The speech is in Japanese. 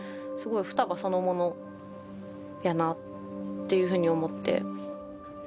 すごい双葉そのものやなっていうふうに思って。